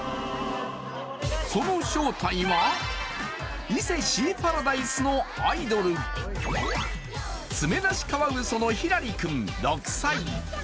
その正体は伊勢シーパラダイスのアイドルツメナシカワウソのひらり君６歳。